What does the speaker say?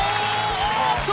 おっと！